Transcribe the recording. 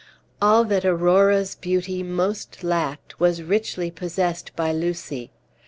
All that Aurora's beauty most lacked was richly possessed by Lucy.